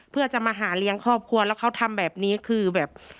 เพื่อจะมาหาเลี้ยงครอบครัวแล้วเขาทำแบบนี้คือแบบ